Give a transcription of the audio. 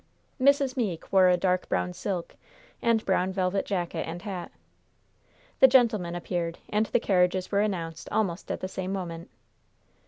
Miss Meeke wore a dark brown silk, and brown velvet jacket and hat. The gentlemen appeared, and the carriages were announced almost at the same moment.